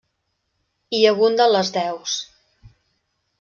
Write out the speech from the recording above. Hi abunden les deus.